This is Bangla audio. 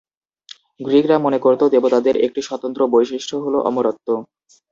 গ্রিকরা মনে করত, দেবতাদের একটি স্বতন্ত্র বৈশিষ্ট্য হল অমরত্ব।